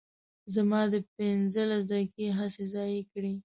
زما دې پنځلس دقیقې هسې ضایع کړې.